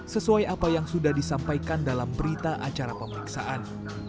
sesuai apa yang sudah disampaikan dalam berita acara pemeriksaan